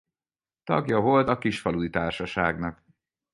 Tagja volt a Kisfaludy Társaságnak.